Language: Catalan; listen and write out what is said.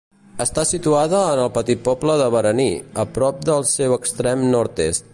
Està situada en el petit poble de Beraní, a prop del seu extrem nord-est.